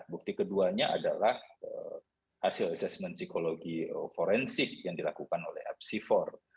bukti keduanya adalah hasil asesmen psikologi forensik yang dilakukan oleh apsifor